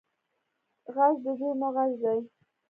غږ د زړونو غږ دی